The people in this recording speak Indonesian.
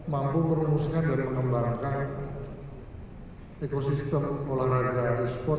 mampu merumuskan dan mengembangkan ekosistem olahraga esports